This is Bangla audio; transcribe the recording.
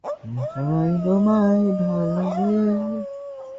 তাকে আমার আশীর্বাদ দেবে ও আর আর সব চেলাগুলোকে।